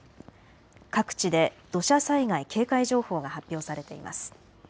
各地で土砂災害警戒情報が発表されています。